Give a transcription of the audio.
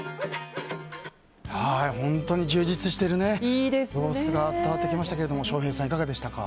本当に充実している様子が伝わってきましたが翔平さん、いかがでしたか？